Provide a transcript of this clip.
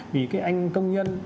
vì cái anh công nhân